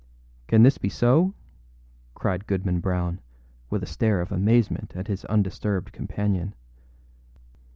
â âCan this be so?â cried Goodman Brown, with a stare of amazement at his undisturbed companion.